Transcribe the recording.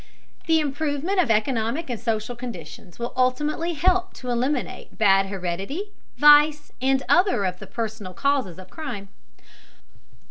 The improvement of economic and social conditions will ultimately help to eliminate bad heredity, vice, and other of the personal causes of crime.